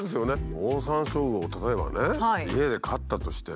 オオサンショウウオを例えばね家で飼ったとしてね